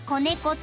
［と］